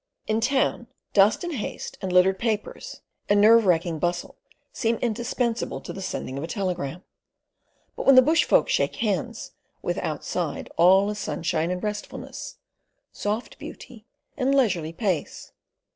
In town, dust, and haste, and littered papers, and nerve racking bustle seem indispensable to the sending of a telegram; but when the bush folk "shake hands" with Outside all is sunshine and restfulness, soft beauty and leisurely peace.